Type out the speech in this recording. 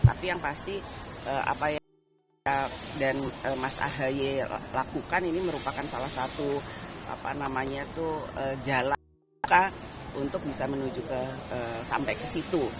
tapi yang pasti apa yang dan mas ahaye lakukan ini merupakan salah satu jalan untuk bisa menuju sampai ke situ